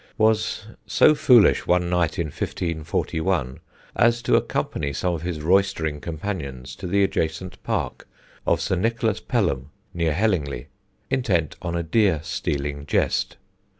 was so foolish one night in 1541 as to accompany some of his roystering companions to the adjacent park of Sir Nicholas Pelham, near Hellingly, intent on a deer stealing jest.